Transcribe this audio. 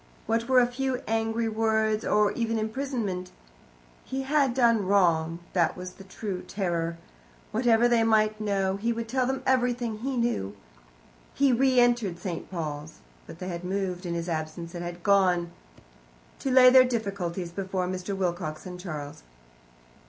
What were a few angry words, or even imprisonment? He had done wrong that was the true terror. Whatever they might know, he would tell them everything he knew. He re entered St. Paul's. But they had moved in his absence, and had gone to lay their difficulties before Mr. Wilcox and Charles.